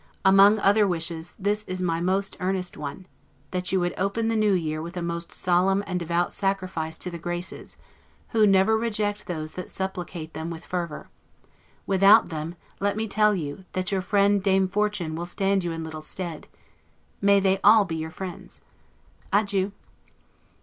Among many other wishes, this is my most earnest one: That you would open the new year with a most solemn and devout sacrifice to the Graces; who never reject those that supplicate them with fervor; without them, let me tell you, that your friend Dame Fortune will stand you in little stead; may they all be your friends! Adieu.